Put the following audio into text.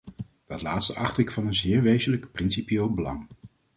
Dat laatste acht ik van een zeer wezenlijk, principieel belang.